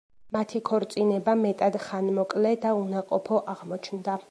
მათი ქორწინება მეტად ხანმოკლე და უნაყოფო აღმოჩნდა.